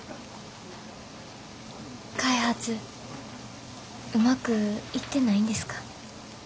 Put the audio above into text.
開発うまくいってないんですか？